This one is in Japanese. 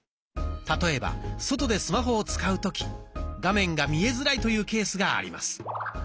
例えば外でスマホを使う時画面が見えづらいというケースがあります。